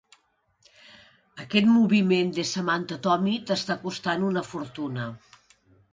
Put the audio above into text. Aquest moviment de Samantha Tommy t'està costant una fortuna.